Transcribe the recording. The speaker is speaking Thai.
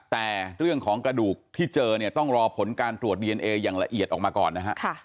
แต่เรื่องของกระดูกที่เจร้าต้องรอผลการตรวจดีเอเน์ยังละเอียดออกมาก่อน